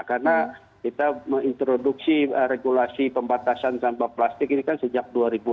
karena kita mengintroduksi regulasi pembatasan sampah plastik ini kan sejak dua ribu enam belas